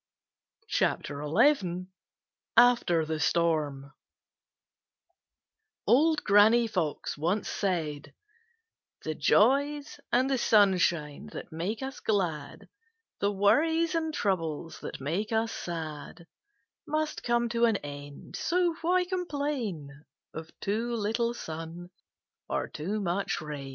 CHAPTER XI After The Storm The joys and the sunshine that make us glad; The worries and troubles that makes us sad Must come to an end; so why complain Of too little sun or too much rain?